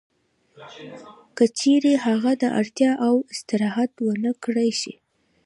که چېرې هغه د اړتیا وړ استراحت ونه کړای شي